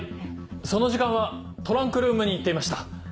その時間はトランクルームに行っていました。